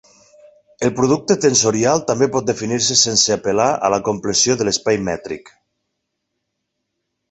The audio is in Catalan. El producte tensorial també pot definir-se sense apel·lar a la compleció de l'espai mètric.